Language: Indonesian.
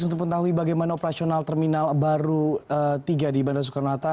untuk mengetahui bagaimana operasional terminal baru tiga di bandara soekarno hatta